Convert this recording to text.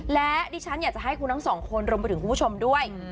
และดิฉันอยากจะให้คุณทั้งสองคนรวมไปถึงคุณผู้ชมด้วย